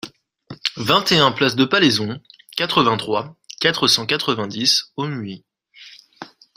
vingt et un place de Palayson, quatre-vingt-trois, quatre cent quatre-vingt-dix au Muy